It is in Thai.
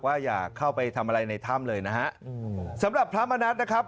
อย่าเข้าไปทำอะไรในถ้ำเลยนะฮะอืมสำหรับพระมณัฐนะครับ